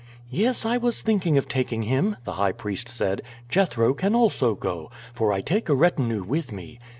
"Yes; I was thinking of taking him," the high priest said. "Jethro can also go, for I take a retinue with me.